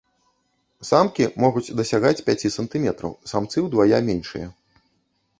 Самкі могуць дасягаць пяці сантыметраў, самцы ўдвая меншыя.